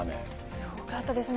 すごかったですね。